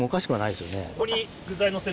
ここに。